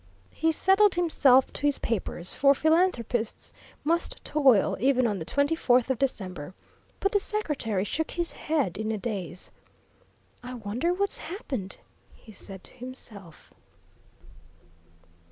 He settled himself to his papers, for philanthropists must toil even on the twenty fourth of December, but the secretary shook his head in a daze. "I wonder what's happened?" he said to himself.